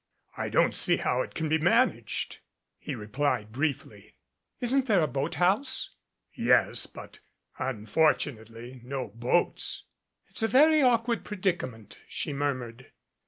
I don't see how it can be managed," he replied briefly. "Isn't there a boat house?" "Yes, but unfortunately no boats." "It's a very awkward predicament," she murmured.